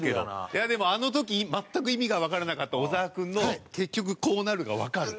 いやでもあの時全く意味がわからなかった小沢君の「結局こうなる」がわかる。